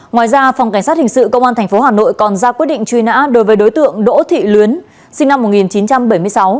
ngoài ra phòng cảnh sát hình sự công an tp hà nội còn ra quyết định truy nã đối với đối tượng đỗ thị luyến sinh năm một nghìn chín trăm bảy mươi sáu